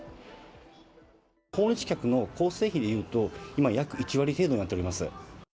訪日客の構成比でいうと、約１割程度になっております。